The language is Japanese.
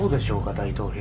大統領」。